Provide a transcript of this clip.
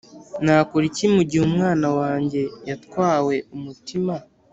Nakora iki mu gihe umwana wanjye yatwawe umutima